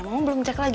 mama belum cek lagi